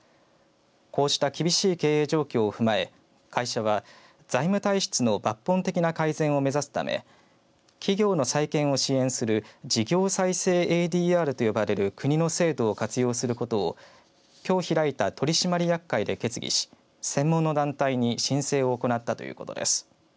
こうした厳しい経営状況を踏まえ会社は財務体質の抜本的な改善を目指すため企業の再建を支援する事業再生ＡＤＲと呼ばれる国の制度を活用することをきょう開いた取締役会で決議し専門の団体に申請を行ったということです。